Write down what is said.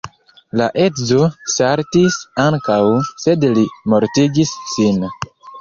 La edzo saltis ankaŭ, sed li mortigis sin.